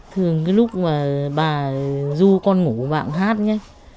thường lúc bà du con ngủ bà cũng hát nhé